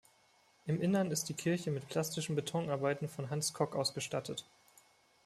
Im Innern ist die Kirche mit plastischen Betonarbeiten von Hans Kock ausgestattet.